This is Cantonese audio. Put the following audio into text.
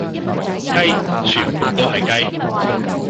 雞，全部都係雞